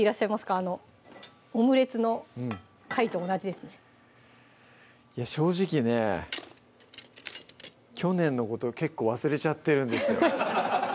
あのオムレツの回と同じですねいや正直ね去年のことを結構忘れちゃってるんですよ